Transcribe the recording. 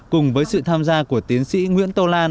cùng với sự tham gia của tiến sĩ nguyễn tô lan